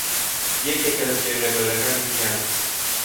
یەکێکە لە چێژە گەورەکانی ژیان.